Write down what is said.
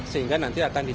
sehingga nanti akan dihapus